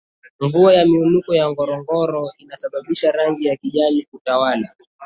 mvua ya miinuko ya ngorongoro inasababisha rangi ya kijani kutawala